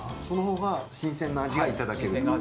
そのほうが新鮮な味がいただける。